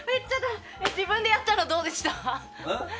自分でやったのどうでした？